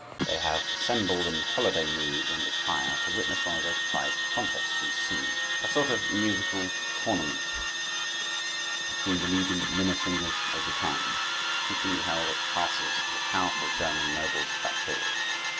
They have assembled in holiday mood and attire to witness one of those prize contests in singing—a sort of musical tournament between the leading Minnesingers of the time, frequently held at the castles of the powerful German nobles of that period.